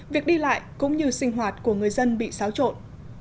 việc đi lại cũng như sinh hoạt của người dân bị xáo trộn